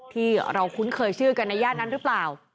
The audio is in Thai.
ที่เราคุ้นเคยชื่อกันในย่านนั้นหรือเปล่า